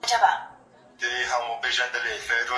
فساد کوونکي بايد توبه وباسي.